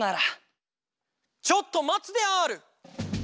・ちょっとまつである！